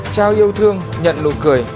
chào yêu thương nhận lụt cười